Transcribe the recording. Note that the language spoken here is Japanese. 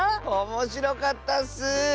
おもしろかったッス！